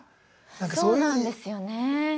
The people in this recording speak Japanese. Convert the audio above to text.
そうなんですよね。